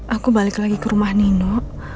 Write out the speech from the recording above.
aku balik lagi ke rumah nino